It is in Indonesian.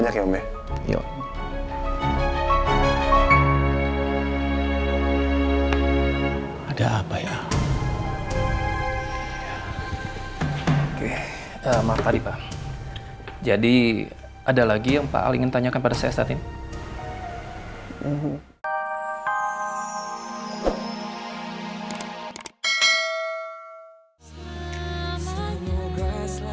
ya om ya yo yo hai ada apa ya oke sama tadi pak jadi ada lagi yang paling tanyakan pada saya